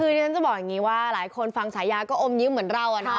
คือที่ฉันจะบอกอย่างนี้ว่าหลายคนฟังฉายาก็อมยิ้มเหมือนเรา